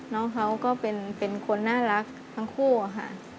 น้องเขาก็เป็นคนน่ารักทั้งคู่ค่ะ